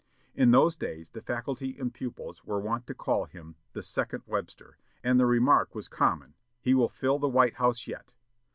In those days the faculty and pupils were wont to call him 'the second Webster,' and the remark was common, 'He will fill the White House yet.'